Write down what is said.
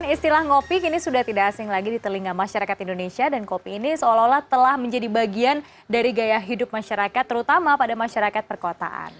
istilah ngopi kini sudah tidak asing lagi di telinga masyarakat indonesia dan kopi ini seolah olah telah menjadi bagian dari gaya hidup masyarakat terutama pada masyarakat perkotaan